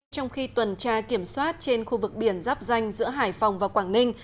trong khi tuần tra kiểm soát trên khu vực biển giáp danh giữa hải phòng và quảng ninh